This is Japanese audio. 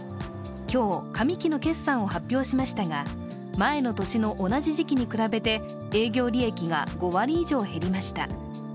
今日、上期の決算を発表しましたが前の年の同じ時期に比べて営業利益が５割以上減りました。